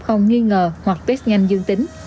không nghi ngờ hoặc test nhanh dương tính